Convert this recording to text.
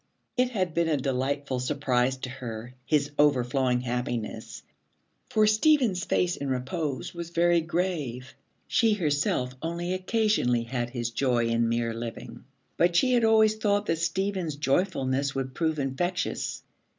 It had been a delightful surprise to her, his overflowing happiness, for Stephen's face in repose was very grave. She herself only occasionally had his joy in mere living, but she had always thought that Stephen's joyfulness would prove infectious.